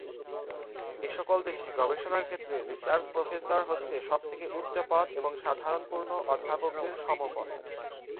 এসকল দেশে গবেষণা ক্ষেত্রে রিসার্চ প্রফেসর হচ্ছে সব থেকে উচ্চ পদ এবং সাধারণ পূর্ণ অধ্যাপকদের সম পদ।